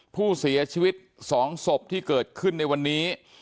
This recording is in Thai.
ผู้เสียชีวิต๒ศพที่เกิดขึ้นในวันนี้